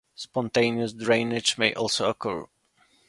Spontaneous drainage may also occur.